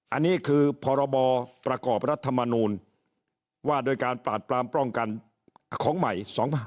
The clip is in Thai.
อันนี้คือพรบประกอบรัฐมนูลว่าโดยการปราบปรามป้องกันของใหม่๒๕๖๒